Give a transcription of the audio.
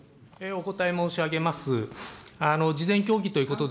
お答え申し上げます。